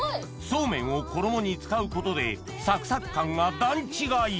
そうめんを衣に使うことでサクサク感が段違い！